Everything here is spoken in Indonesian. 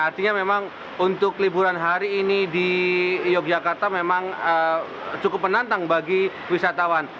artinya memang untuk liburan hari ini di yogyakarta memang cukup menantang bagi wisatawan